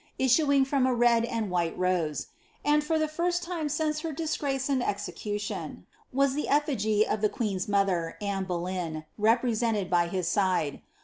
issuing from a red and white rose ; and, for the first time since her disgrace and execution, was the efligy of the queen's mother, Anne Boleyn, represented by his side.